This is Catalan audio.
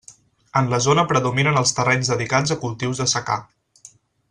En la zona predominen els terrenys dedicats a cultius de secà.